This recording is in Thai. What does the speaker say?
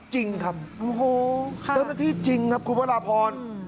จริงครับโอ้โหเจ้าหน้าที่จริงครับคุณพระราพร